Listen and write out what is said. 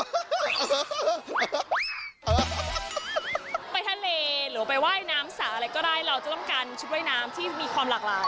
ไปทะเลหรือไปว่ายน้ำสาอะไรก็ได้เราจะต้องการชุดว่ายน้ำที่มีความหลากหลาย